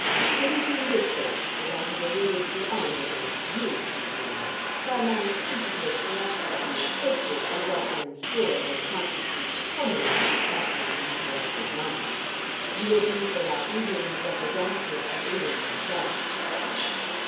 "It is in this sense that I have alluded to the honour done to you," he resumed, "by my tentative selection of you as hostess in what I am sure will constitute the culminating impression on the Maharajah's mind. You will be for that evening the representative of England herself.